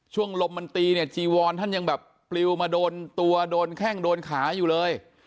ลมมันตีเนี่ยจีวอนท่านยังแบบปลิวมาโดนตัวโดนแข้งโดนขาอยู่เลย